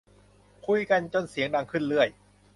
คุยกันจนเสียงดังขึ้นเรื่อย